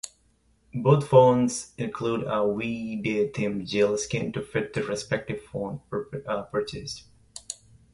Both phones include a We Day-themed gel skin to fit the respective phone purchased.